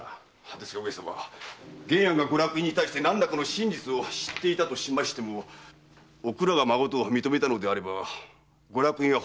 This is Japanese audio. ですが玄庵がご落胤に対して何らかの真実を知っていてもおくらが孫と認めたのであればご落胤は本物でございます。